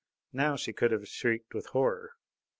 Now she could have shrieked with horror.